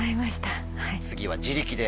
次は自力で。